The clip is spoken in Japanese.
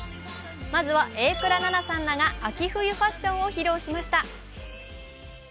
まずは、榮倉奈々さんらが秋冬ファッションを披露しました。